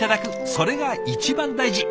それが一番大事。